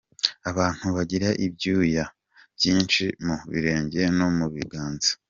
Abantu bagira ibyuya byinshi mu birenge no mu biganza.